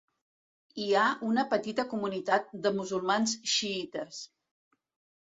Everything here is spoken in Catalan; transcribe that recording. Hi ha una petita comunitat de musulmans xiïtes.